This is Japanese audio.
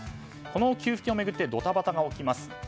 この給付金を巡ってドタバタが起きます。